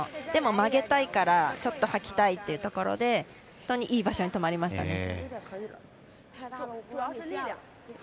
でも、曲げたいからちょっと掃きたいというところで本当に、いい場所に止まりました。